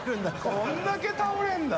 こんだけ倒れるんだ。